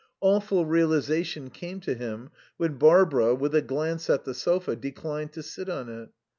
Awful realization came to him when Barbara, with a glance at the sofa, declined to sit on it.